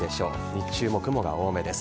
日中も雲が多めです。